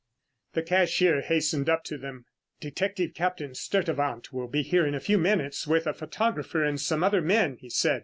The cashier hastened up to them. "Detective Captain Sturtevant will be here in a few minutes with a photographer and some other men," he said.